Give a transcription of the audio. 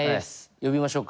呼びましょうか。